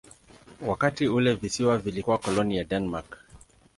Wakati ule visiwa vilikuwa koloni ya Denmark.